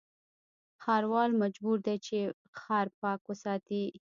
ښاروال مجبور دی چې، ښار پاک وساتي.